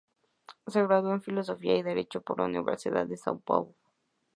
Se graduó en Filosofía y Derecho por la Universidad de Sao Paulo.